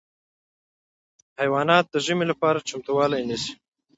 حیوانات د ژمي لپاره چمتووالی نیسي.